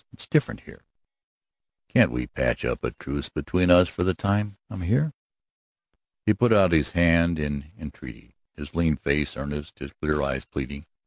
It's different here." "Can't we patch up a truce between us for the time I'm here?" He put out his hand in entreaty, his lean face earnest, his clear eyes pleading.